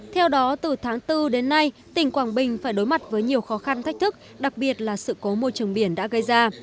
theo đó từ tháng bốn đến nay tỉnh quảng bình phải đối mặt với nhiều khó khăn thách thức đặc biệt là sự cố môi trường biển đã gây ra